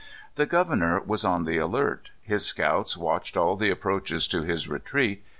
The governor was on the alert. His scouts watched all the approaches to his retreat.